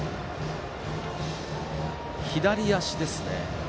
左足ですね。